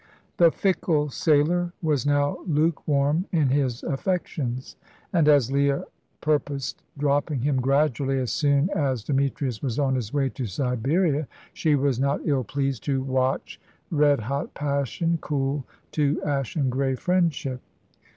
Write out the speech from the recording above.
The fickle sailor was now lukewarm in his affections, and, as Leah purposed dropping him gradually as soon as Demetrius was on his way to Siberia, she was not ill pleased to watch red hot passion cool to ashen grey friendship.